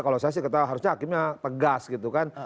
kalau saya sih harusnya hakimnya tegas gitu kan